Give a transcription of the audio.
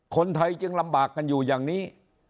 คนไทยจึงลำบากกันอยู่อย่างนี้